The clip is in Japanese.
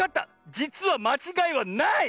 じつはまちがいはない！